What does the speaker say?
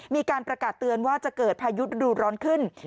มีการประกาศเตือนว่าจะเกิดพายุฤดูร้อนขึ้น